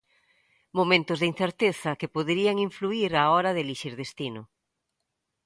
Momentos de incerteza que poderían influír á hora de elixir destino.